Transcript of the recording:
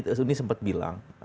tadi uni sempat bilang